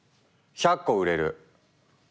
１００個売れる！